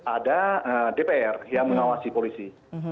ada dpr yang mengawasi polisi